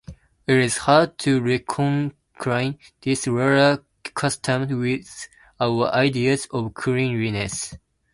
It is hard to reconcile this latter custom with our ideas of cleanliness.